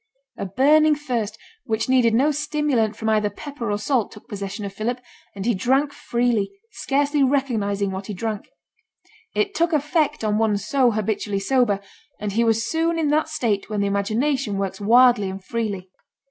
A burning thirst, which needed no stimulant from either pepper or salt, took possession of Philip, and he drank freely, scarcely recognizing what he drank. It took effect on one so habitually sober; and he was soon in that state when the imagination works wildly and freely.